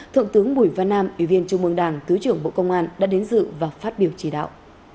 thượng tướng bùi văn nam ủy viên trung mương đảng thứ trưởng bộ công an đã đến dự và phát biểu chỉ đạo